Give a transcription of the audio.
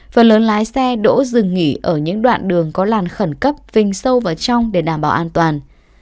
phần lớn lái xe đỗ dừng nghỉ ở những đoạn đường có làn khẩn cấp về sâu vào trong để đảm bảo an toàn